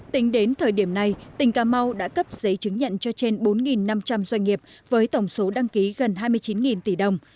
tính đến thời điểm này tỉnh cà mau đã cấp giấy chứng nhận cho trên bốn năm trăm linh doanh nghiệp với tổng số đăng ký gần hai mươi chín tỷ đồng